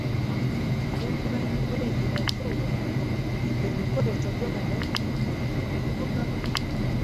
Iyo mvuganye nu Burengerazuba, ngomba guhindura ibikoresho byo mumutwe, nukuvuga.